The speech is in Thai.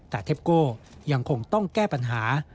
แต่เทปโก้ยังคงต้องแก้ปัญหา